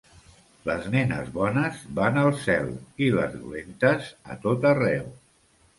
Les nenes bones van al cel i les dolentes a tot arreu.